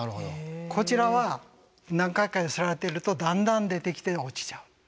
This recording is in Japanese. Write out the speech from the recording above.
こちらは何回か揺すられているとだんだん出てきて落ちちゃう。